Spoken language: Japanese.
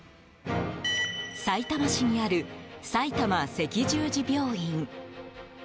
さいたま市にあるさいたま赤十字病院。